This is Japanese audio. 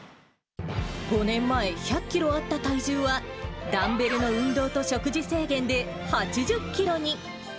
５年前、１００キロあった体重は、ダンベルの運動と食事制限で８０キロに。